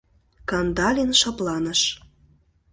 Кандалин шыпланыш.